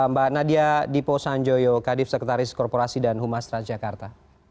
mbak nadia dipo sanjoyo kadif sekretaris korporasi dan humas transjakarta